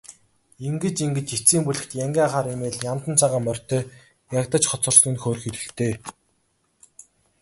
Ингэж ингэж эцсийн бүлэгт янгиа хар эмээл, яндан цагаан морьтой ягдаж хоцорсон нь хөөрхийлөлтэй.